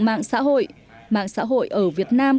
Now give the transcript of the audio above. mạng xã hội mạng xã hội ở việt nam